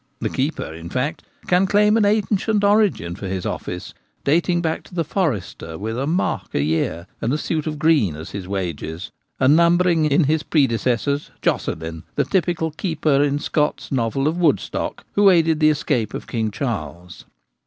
The keeper, in fact, can claim an ancient origin for his office, dating back to the forester with a ' mark ' a year and a suit of green as his wages, and numbering in his predecessors Joscelin, the typical keeper in Scott's novel of ' Woodstock/ who aided the escape of King Charles.